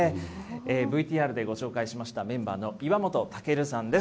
ＶＴＲでご紹介しましたメンバーの岩元貴琉さんです。